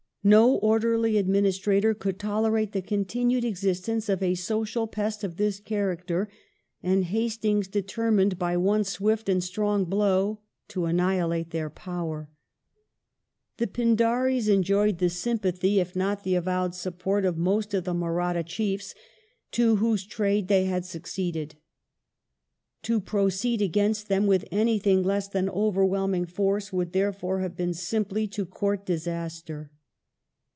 No orderly admini strator could tolerate the continued existence of a social pest of this character, and Hastings determined by one swift and strong blow to annihilate their power. The l*indaris ei.< joyed the sympathy, if * Lyall, British Dominion in India, p. 258, "^ Ibid, 1856] FIRST BURMESE WAR 26S not the avowed support, of most of the Maratha chiefs, to whose trade they had succeeded. To proceed against them with anything less than overwhelming force would, therefore, have been simply to court disaster.